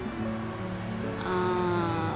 ああ